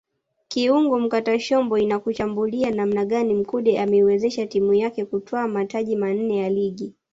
Kiungo mkatashombo inakuchambulia namna gani Mkude ameiwezesha timu yake kutwaa mataji manne ya Ligi